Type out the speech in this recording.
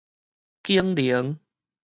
景寧